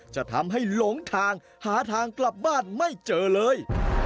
จะทำให้หลงทางหาทางกลับบ้านไม่เจอเลย